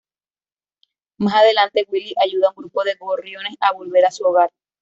Más adelante, Willy ayuda a un grupo de gorriones a volver a su hogar.